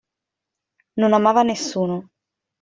Non amava nessuno.